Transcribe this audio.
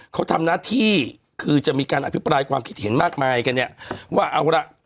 เขาทำหน้าที่คือจะมีการอภิปรายความคิดเห็นมากมายกันเนี่ยว่าเอาล่ะ